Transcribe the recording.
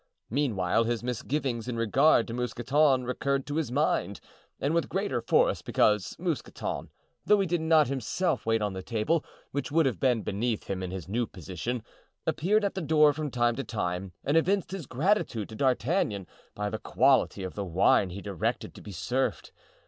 Meanwhile his misgivings in regard to Mousqueton recurred to his mind and with greater force because Mousqueton, though he did not himself wait on the table, which would have been beneath him in his new position, appeared at the door from time to time and evinced his gratitude to D'Artagnan by the quality of the wine he directed to be served.